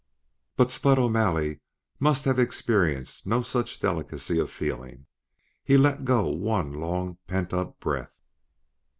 But Spud O'Malley must have experienced no such delicacy of feeling. He let go one long pent up breath.